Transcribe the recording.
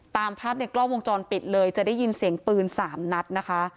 ตามภาพในกล้องวงจรปิดเลยจะได้ยินเสียงปืน๓นัดนะคะ